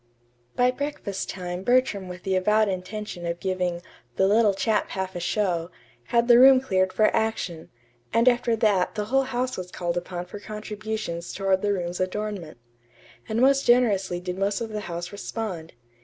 By breakfast time Bertram with the avowed intention of giving "the little chap half a show," had the room cleared for action; and after that the whole house was called upon for contributions toward the room's adornment. And most generously did most of the house respond.